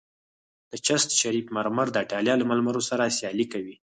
د چشت شریف مرمر د ایټالیا له مرمرو سره سیالي کوي